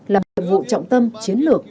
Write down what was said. làm vụ trọng tâm chiến lược